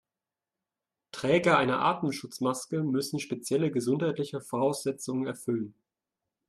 Träger einer Atemschutzmaske müssen spezielle gesundheitliche Voraussetzungen erfüllen.